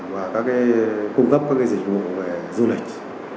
và các cái cung cấp các cái dịch vụ về du lịch